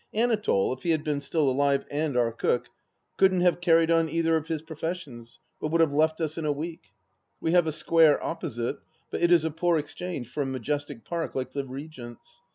Anatole, if he had been still alive and our cook, couldn't have carried on either of his professions, but would have left us in a week. ... We have a square opposite, but it is a poor exchange for a majestic park like the Regent's.